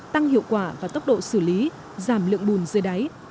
tăng hiệu quả và tốc độ xử lý giảm lượng bùn dưới đáy